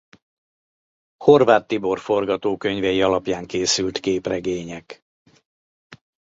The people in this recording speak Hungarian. Horváth Tibor forgatókönyvei alapján készült képregények.